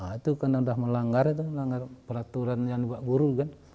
itu karena sudah melanggar peraturan yang dibuat guru